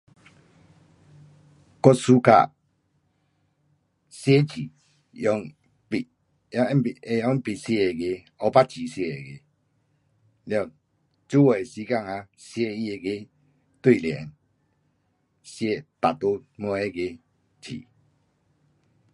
我 suka 写字，用笔，um 用笔 um 用笔写那个，黑白笔写那个。了，做的时间啊写他那个对联。写搭在门那个字。